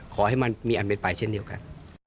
ขอให้มันมีอันเป็นไปเช่นเดียวกัน